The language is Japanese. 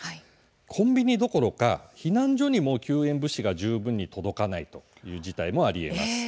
コンビニどころか避難所にも救援物資が十分届かない事態もありえます。